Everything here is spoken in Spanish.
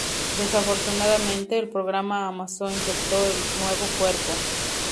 Desafortunadamente, el programa Amazo infectó el nuevo cuerpo.